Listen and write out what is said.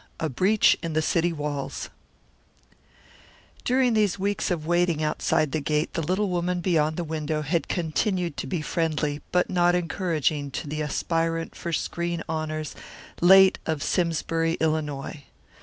A BREACH IN THE CITY WALLS During these weeks of waiting outside the gate the little woman beyond the window had continued to be friendly but not encouraging to the aspirant for screen honours late of Simsbury, Illinois.